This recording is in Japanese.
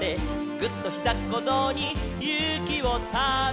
「ぐっ！とひざっこぞうにゆうきをため」